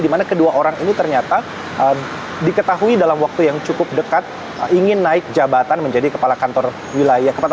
di mana kedua orang ini ternyata diketahui dalam waktu yang cukup dekat ingin naik jabatan menjadi kepala kantor wilayah